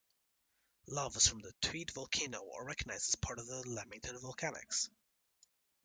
Lavas from the Tweed Volcano are recognised as part of the Lamington Volcanics.